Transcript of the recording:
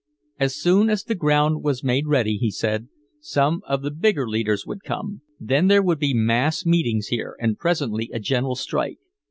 As soon as the ground was made ready, he said, some of the bigger leaders would come. Then there would be mass meetings here and presently a general strike.